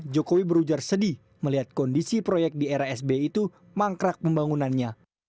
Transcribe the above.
jokowi berujar sedih melihat kondisi proyek di era sbi itu mangkrak pembangunannya